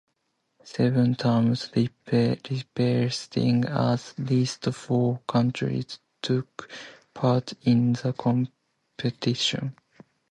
Seven teams, representing at least four countries, took part in the competition.